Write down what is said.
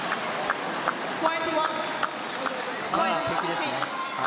完璧ですね。